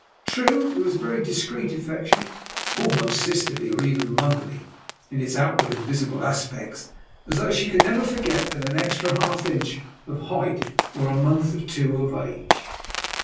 True, it was a very discreet affection, almost sisterly, or even motherly, in its outward and visible aspects, as though she could never forget that extra half inch of height or month or two of age.